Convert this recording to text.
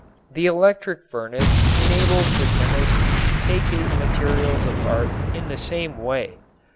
The electric furnace enables the chemist to take his materials apart in the same way.